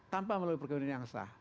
tanpa melalui perkebunan yang sah